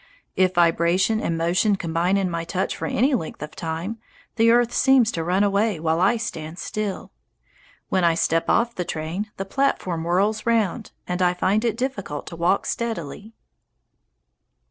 If vibration and motion combine in my touch for any length of time, the earth seems to run away while I stand still. When I step off the train, the platform whirls round, and I find it difficult to walk steadily.